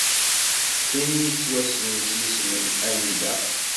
D tin i yettwassnen s yisem n Anida.